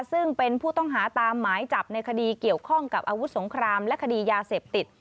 ซึ่งเป็นผู้ต้องหาตามหมายจับในคดีเกี่ยวข้องกับอาวุธสงครามและคดียาเสพติด